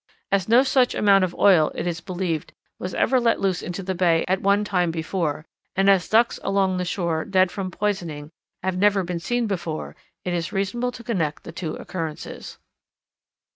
As no such amount of oil, it is believed, was ever let loose into the bay at one time before, and as Ducks along the shore, dead from poisoning, have never been seen before, it is reasonable to connect the two occurrences."